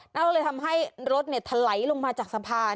ด้วยทำให้รถไหลลงมาจากสะพาน